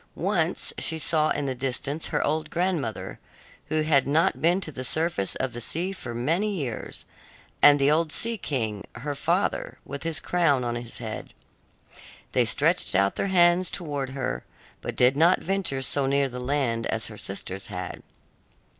Once she saw in the distance her old grandmother, who had not been to the surface of the sea for many years, and the old Sea King, her father, with his crown on his head. They stretched out their hands towards her, but did not venture so near the land as her sisters had.